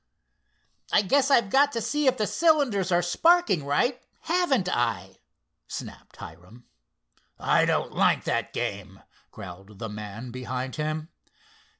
"I guess I've got to see if the cylinders are sparking right; haven't I?" snapped Hiram. "I don't like that game!" growled the man behind him.